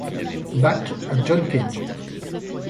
Bach à John Cage.